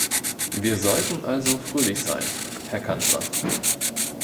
Wir sollten also fröhlich sein, Herr Kanzler.